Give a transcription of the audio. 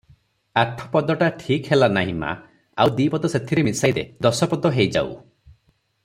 "ଆଠ ପଦଟା ଠିକ୍ ହେଲା ନାହିଁ ମା, ଆଉ ଦିପଦ ସେଥିରେ ମିଶାଇ ଦେ- ଦଶପଦ ହେଇଯାଉ ।